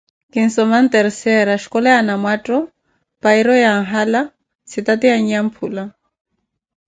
Kinsoma nterseyira, xkola wa Nanwattho, payiro ya N`hala, sitate ya N`nyamphula.